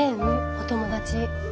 お友達。